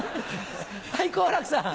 はい好楽さん。